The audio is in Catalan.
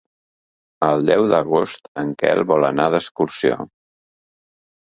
El deu d'agost en Quel vol anar d'excursió.